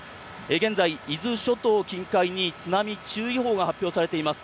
現在、伊豆諸島近海に津波注意報が発表されています。